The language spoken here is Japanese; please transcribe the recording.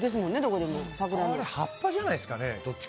あれ、葉っぱじゃないですかね